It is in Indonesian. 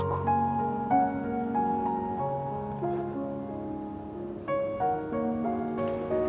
aku gak menyangka